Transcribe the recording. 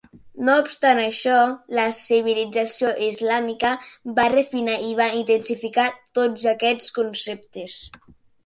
No obstant això, la civilització islàmica va refinar i va intensificar tots aquests conceptes.